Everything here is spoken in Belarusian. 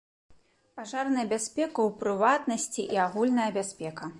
Пажарная бяспека ў прыватнасці і агульная бяспека.